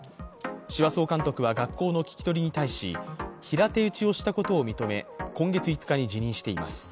志波総監督は学校の聴き取りに対し、平手打ちをしたことを認め、今月５日に辞任しています。